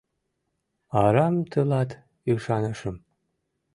Арам тылат ӱшанышым